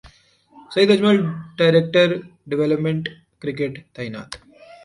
سعید Ajmal director development cricket تعینات